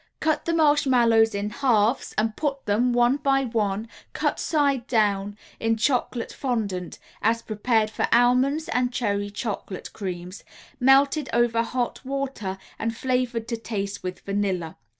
] Cut the marshmallows in halves, and put them, one by one, cut side down, in chocolate fondant (as prepared for almond and cherry chocolate creams), melted over hot water and flavored to taste with vanilla.